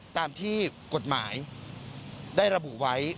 ตามที่กฎหมายได้ระบุไว้